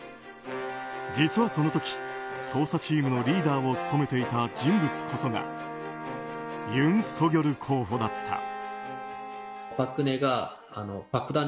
実はその時、捜査チームのリーダーを務めていた人物こそがユン・ソギョル候補だった。